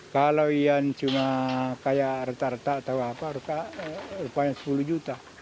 kalau yang cuma kayak retak retak atau apa rupa rupanya sepuluh juta